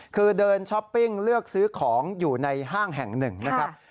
คือเดินช้อปปิ้งเลือกซื้อของอยู่ในห้างแห่งหนึ่งนะครับ